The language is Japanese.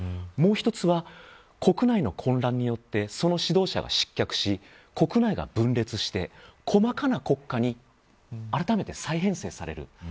もう一つは国内の混乱によってその指導者が失脚し国内が分裂して細かな国家にあらためて再編成される。